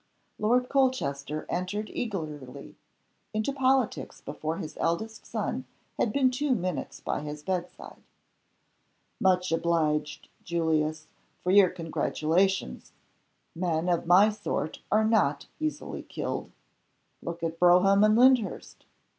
Lord Holchester entered eagerly into politics before his eldest son had been two minutes by his bedside. "Much obliged, Julius, for your congratulations. Men of my sort are not easily killed. (Look at Brougham and Lyndhurst!)